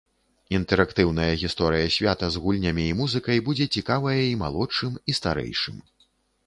Інтэрактыўная гісторыя свята з гульнямі і музыкай будзе цікавая і малодшым, і старэйшым.